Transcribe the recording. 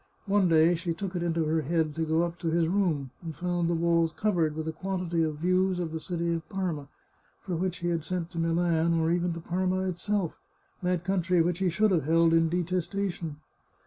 One day she took it into her head to go up to his room, and found the walls covered with a quantity of views of the city of Parma, for which he had sent to Milan, or even to Parma itself — that country which he should have held in detestation.